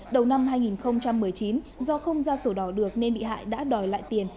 đầu năm hai nghìn một mươi chín do không ra sổ đỏ được nên bị hại đã đòi lại tiền